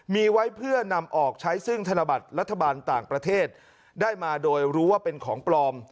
มีไว้เพื่อนำออกใช้ซึ่งธนบัตรรัฐบาลต่างประเทศได้มาโดยรู้ว่าเป็นของปลอม